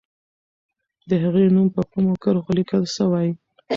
د هغې نوم په کومو کرښو لیکل سوی؟